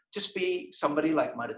jadi seperti mbak theresa